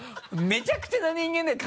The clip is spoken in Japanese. めちゃくちゃな人間だよ！